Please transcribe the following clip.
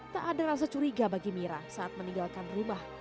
tak ada rasa curiga bagi mira saat meninggalkan rumah